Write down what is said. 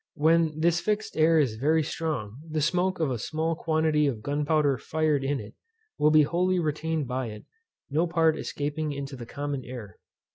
When this fixed air is very strong, the smoke of a small quantity of gunpowder fired in it will be wholly retained by it, no part escaping into the common air.